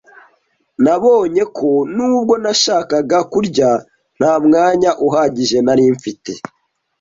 Nabonye ko nubwo nashakaga kurya, nta mwanya uhagije nari mfite.